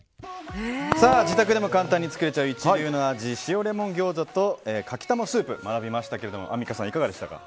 自宅でも簡単に作れちゃう一流の味塩レモン餃子とかきたまスープを学びましたがアンミカさんいかがでしたか。